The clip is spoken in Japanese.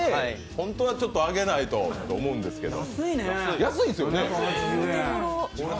本当はちょっと上げないとと思うんですけど、安いですよね。